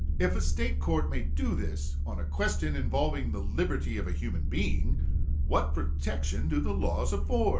If a State court may do this, on a question involving the liberty of a human being, what protection do the laws afford?